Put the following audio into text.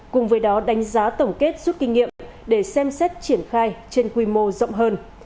cùng với đó đánh giá tổng kết rút kinh nghiệm để xem xét triển khai trên quy mô rộng hơn